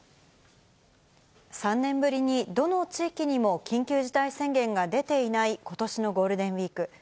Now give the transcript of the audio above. ３年ぶりに、どの地域にも緊急事態宣言が出ていないことしのゴールデンウィーク。